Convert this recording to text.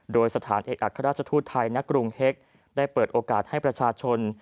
โดยสถานเอกอัครราชทูตไทยณกรุงเฮ็กได้เปิดโอกาสให้ประชาชน